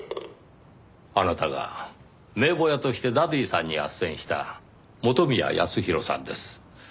あなたが名簿屋としてダディさんに斡旋した元宮康宏さんです。